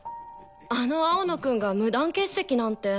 あの青野くんが無断欠席なんて。